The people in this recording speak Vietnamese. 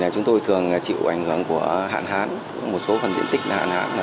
chúng tôi thường chịu ảnh hưởng của hạn hán một số phần diện tích hạn